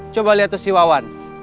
coba lihat tuh si wawan